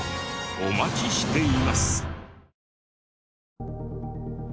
お待ちしています。